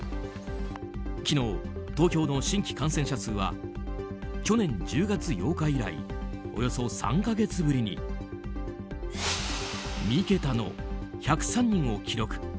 昨日、東京の新規感染者数は去年１０月８日以来およそ３か月ぶりに３桁の１０３人を記録。